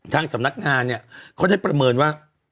ทางสำนักงานเนี่ยเขาได้ประเมินว่า